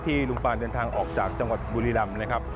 ลุงปานเดินทางออกจากจังหวัดบุรีรำนะครับ